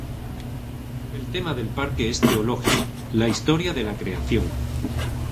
El tema del parque es teológico: la historia de la creación.